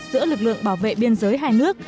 giữa lực lượng bảo vệ biên giới hai nước